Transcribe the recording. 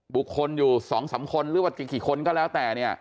บุคคลอยู่๒๓คนหรือว่ากี่คนก็แล้วแต่เนี่ย